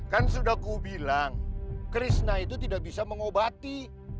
kan sudah kubilang krishna itu tidak bisa mengobati